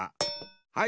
はい。